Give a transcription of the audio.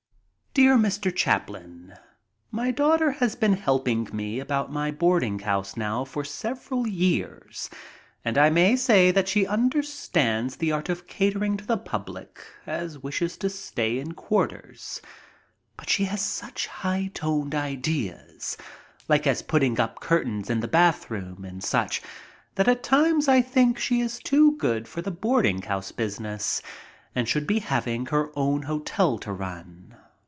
A MEMORABLE NIGHT IN LONDON 79 Dear Mr. Chaplin, — My daughter has been helping me about my boarding house now for several years, and I may say that she understands the art of catering to the public as wishes to stay in quarters. But she has such high toned ideas, like as putting up curtains in the bathroom and such that at times I think she is too good for the boarding house business and should be having her own hotel to run.